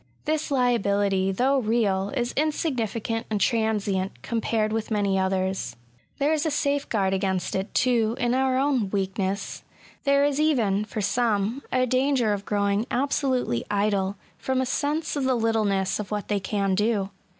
This liability^ though real^ is insignificant and transient^ compared with many others. There is a safeguard against it^ too, in our own weakness* There is eyen, for some, a danger of growing absolutely idle, from a sense of the little ness of what they can do.